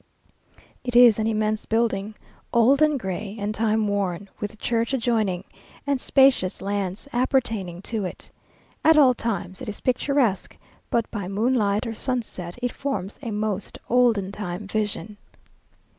It is an immense building, old and gray, and time worn, with church adjoining, and spacious lands appertaining to it. At all times it is picturesque, but by moonlight or sunset it forms a most olden time vision.